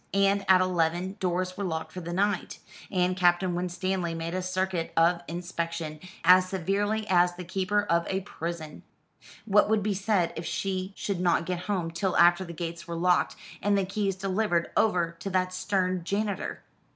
And at eleven doors were locked for the night, and Captain Winstanley made a circuit of inspection, as severely as the keeper of a prison. What would be said if she should not get home till after the gates were locked, and the keys delivered over to that stern janitor?